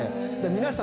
皆さん